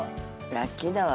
ラッキーだわ。